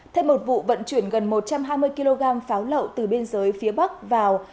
thêm một vụ vận chuyển gần một trăm hai mươi kg pháo lậu từ biên giới phía bắc vào